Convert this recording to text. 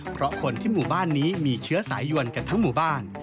เพราะคนที่หมู่บ้านนี้มีเชื้อสายยวนกันทั้งหมู่บ้าน